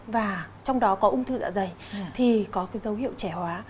và trong đó có ung thư dạ dày thì có cái dấu hiệu trẻ hóa